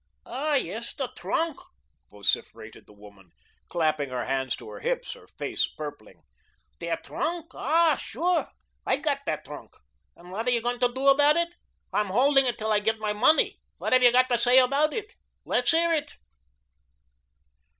"Ah, yes, their trunk," vociferated the woman, clapping her hands to her hips, her face purpling. "Their trunk, ah, sure. I got their trunk, and what are you going to do about it? I'm holding it till I get my money. What have you got to say about it? Let's hear it."